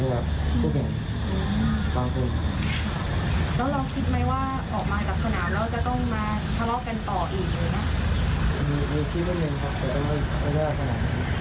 หรือคืนนั้นนึงครับแต่ต้องร่วงอาหารฐะหนะ